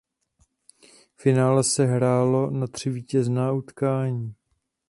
Finále se hrálo na tři vítězná utkání.